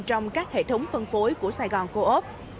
trong các hệ thống phân phối của sài gòn cô ốc